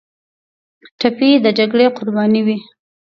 ټپي د جګړې قرباني وي.